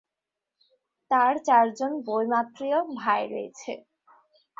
তার চারজন বৈমাত্রেয় ভাই রয়েছে।